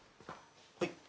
はい？